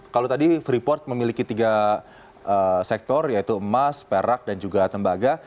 kalau tadi freeport memiliki tiga sektor yaitu emas perak dan juga tembaga